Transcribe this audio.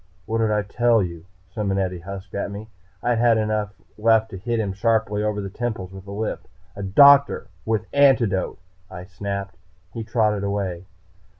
"What did I tell you?" Simonetti husked at me. I had enough left to hit him sharply over the temples with a lift. "A doctor. With antidote," I snapped. He trotted away.